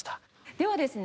ではですね